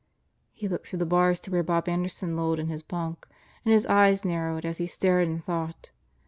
He looked through the bars to where Bob Anderson lolled in his bunk, and Ms eyes narrowed as he stared and thought.